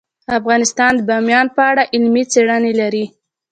افغانستان د بامیان په اړه علمي څېړنې لري.